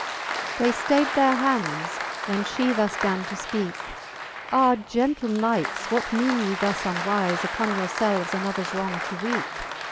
XL They ftayd their hands, 'when fhe thus gan to fpeake ; Ah gentle knights, what meane ye thus unwife Upon your felves anothers wrong to wreake